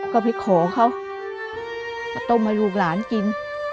ก็ไปขอเขามาต้มให้ลูกหลานกิน